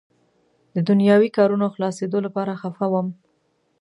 د دنیاوي کارونو خلاصېدو لپاره خفه وم.